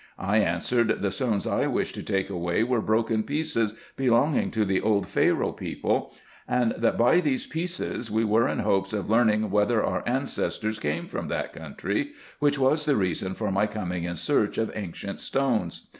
I answered, the stones I wished to take away were broken pieces belonging to the old Pharaoh people ; and that by these pieces we were in hopes of learning, whether our ancestors came from that country ; which was the reason of my coming in search of ancient stones.